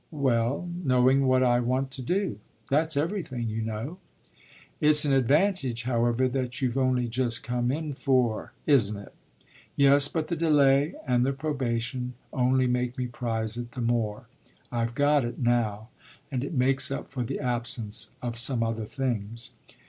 "Well, knowing what I want to do. That's everything, you know." "It's an advantage, however, that you've only just come in for, isn't it?" "Yes, but the delay and the probation only make me prize it the more. I've got it now; and it makes up for the absence of some other things."